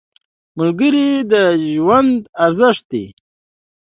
ملګری د ژوند ارزښت دی